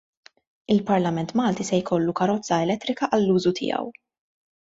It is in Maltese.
Il-Parlament Malti se jkollu karozza elettrika għall-użu tiegħu.